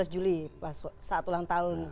dua belas juli saat ulang tahun